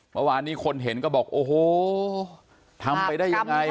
เมื่อวานนี้คนเห็นก็บอกโอ้โหทำไปได้ยังไง